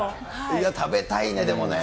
いや、食べたいね、でもね。